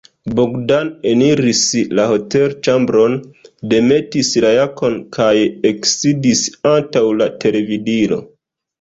Bogdan eniris la hotelĉambron, demetis la jakon kaj eksidis antaŭ la televidilo.